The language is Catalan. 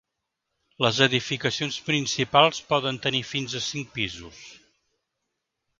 Les edificacions principals poden tenir fins a cinc pisos.